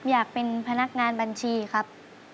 อยากเป็นพนักงานบัญชีครับ